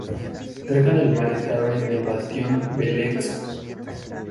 Cerca del mar estaba el bastión de Laxe.